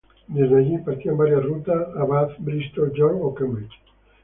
Desde allí partían varias rutas a Bath, Bristol, York o Cambridge.